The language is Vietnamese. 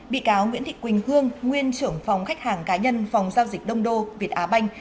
bị cáo nguyễn thị quỳnh hương nguyên trưởng phòng khách hàng cá nhân phòng giao dịch đông đô việt á banh